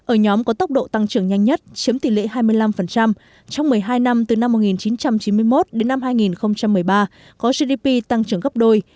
ở nhóm có tốc độ tăng trưởng nhanh nhất chiếm tỷ lệ hai mươi năm trong một mươi hai năm từ năm một nghìn chín trăm chín mươi một đến năm hai nghìn một mươi ba có gdp tăng trưởng gấp đôi